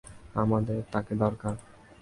আমাদের তাকে দরকার।